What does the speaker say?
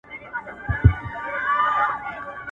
که تاسي په پښتو کي نظم ولیکئ خلک به يې په مینه ولولي.